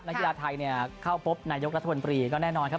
นักกีฬาไทยเข้าพบนายกรัฐบนตรีก็แน่นอนครับ